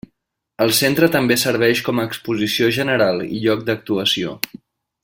El centre també serveix com a exposició general i lloc d'actuació.